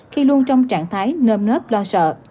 khi luôn trong trạng thái nơm nớp lo sợ